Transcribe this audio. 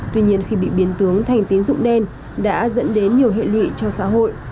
tuy nhiên khi bị biến tướng thành tín dụng đen đã dẫn đến nhiều hệ lụy cho xã hội